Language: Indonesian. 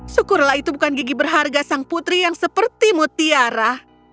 syukurlah itu bukan gigi berharga sang putri yang seperti mutiara